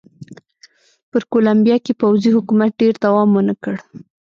په کولمبیا کې پوځي حکومت ډېر دوام ونه کړ.